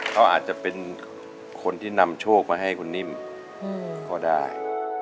เขาอาจจะเป็นคนที่นำโชคมาให้คุณนิ่มก็ได้